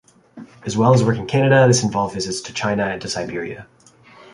As well as work in Canada this involved visits to China and to Siberia.